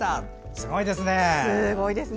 すごいですね。